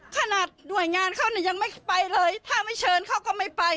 ขนาดหน่วยงานเขาเนี่ยยังไม่ไปเลยถ้าไม่เชิญเขาก็ไม่ไป